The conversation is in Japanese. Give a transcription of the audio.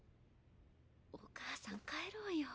お母さん帰ろうよ。